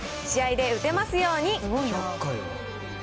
試合で打てますように。